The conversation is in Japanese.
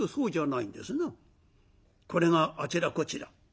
これがあちらこちら